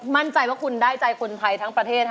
มั่นใจว่าคุณได้ใจคนไทยทั้งประเทศค่ะ